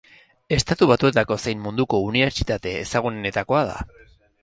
Estatu Batuetako zein munduko unibertsitate ezagunenetakoa da.